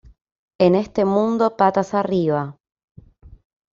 En este mundo patas arriba